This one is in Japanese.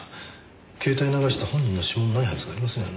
携帯流した本人の指紋ないはずがありませんよね。